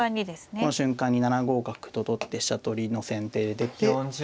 この瞬間に７五角と取って飛車取りの先手で出て。